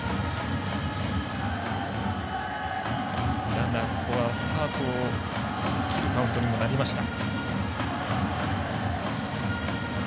ランナー、ここはスタートを切るカウントになりました。